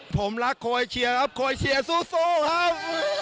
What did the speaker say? ผมรักคอยเชียร์ครับคอยเชียร์สู้ครับ